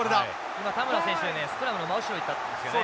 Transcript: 今田村選手がスクラムの真後ろに行ったんですよね。